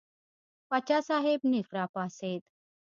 پاچا صاحب نېغ را پاڅېد.